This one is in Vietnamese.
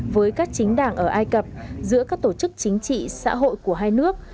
với các chính đảng ở ai cập giữa các tổ chức chính trị xã hội của hai nước